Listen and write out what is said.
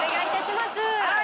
はい！